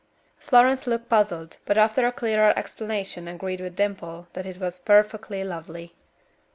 Florence looked puzzled, but after a clearer explanation agreed with Dimple that it was "perfectly lovely."